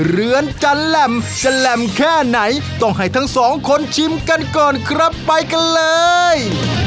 เรือนจะแหลมจะแหลมแค่ไหนต้องให้ทั้งสองคนชิมกันก่อนครับไปกันเลย